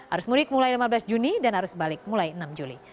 arus mudik mulai lima belas juni dan arus balik mulai enam juli